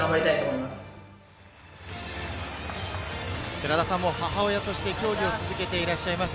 寺田さんも母親として競技を続けていらっしゃいます。